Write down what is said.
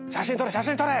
写真撮れ！